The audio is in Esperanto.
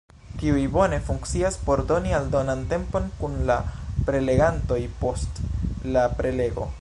Tiuj bone funkcias por doni aldonan tempon kun la prelegantoj post la prelego.